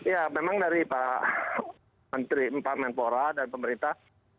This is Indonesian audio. ya memang dari pak men poreh dan pemerintah